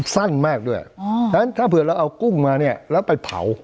สั้นมากด้วยฉะนั้นถ้าเผื่อเราเอากุ้งมาเนี่ยแล้วไปเผา